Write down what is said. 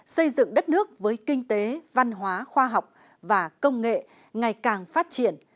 xây dựng đất nước với kinh tế văn hóa khoa học và công nghệ ngày càng phát triển